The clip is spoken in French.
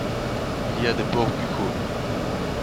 Il y a des pores buccaux.